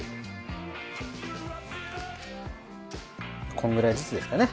こんくらいずつですかね。